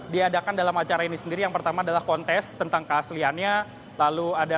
diadakan dalam acara ini sendiri yang pertama adalah kontes tentang keasliannya lalu ada